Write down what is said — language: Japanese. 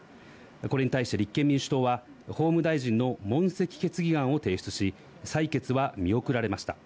これに対して立憲民主党は法務大臣の問責決議案を提出し、採決は見送られました。